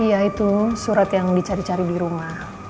iya itu surat yang dicari cari di rumah